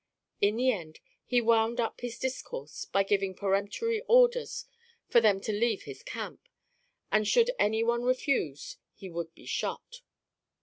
In the end, he wound up his discourse by giving peremptory orders for them to leave his camp, and should any one refuse, he would be shot.